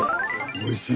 おいしい。